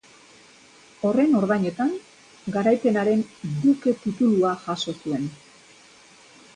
Horren ordainetan, Garaipenaren duke titulua jaso zuen.